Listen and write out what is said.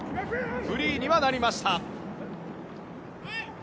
フリーにはなりました。